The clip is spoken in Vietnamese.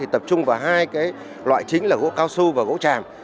tập trung vào hai loại chính là gỗ cao su và gỗ tràm